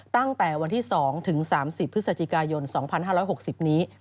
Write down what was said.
ตั้งแต่วันที่๒ถึง๓๐พฤศจิกายน๒๕๖๐นี้